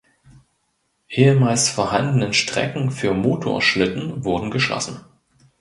Ehemals vorhandenen Strecken für Motorschlitten wurden geschlossen.